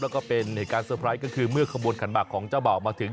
แล้วก็เป็นเหตุการณ์เซอร์ไพรส์ก็คือเมื่อขบวนขันหมากของเจ้าบ่าวมาถึง